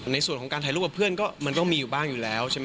ในส่วนของการถ่ายรูปกับเพื่อนก็มันก็มีอยู่บ้างอยู่แล้วใช่ไหม